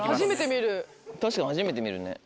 確かに初めて見るね。